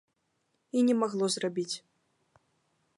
І не магло зрабіць.